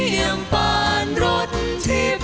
เมนูไข่เมนูไข่อร่อยแท้อยากกิน